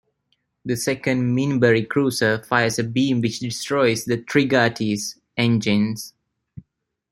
The second Minbari cruiser fires a beam which destroys the "Trigati's" engines.